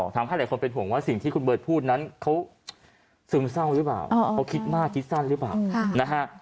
ทำให้หลายคนเป็นห่วงว่าสิ่งที่คุณเบิร์ตพูดนั้นเขาซึมเศร้าหรือเปล่าเขาคิดมากคิดสั้นหรือเปล่านะฮะ